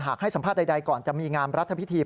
ให้สัมภาษณ์ใดก่อนจะมีงามรัฐพิธี